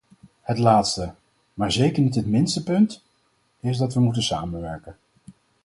Het laatste, maar zeker niet het minste punt, is dat we moeten samenwerken.